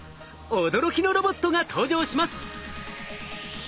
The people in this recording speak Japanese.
驚きのロボットが登場します。